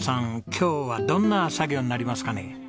今日はどんな作業になりますかね。